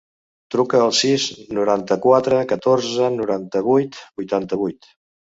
Truca al sis, noranta-quatre, catorze, noranta-vuit, vuitanta-vuit.